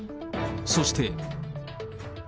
そして。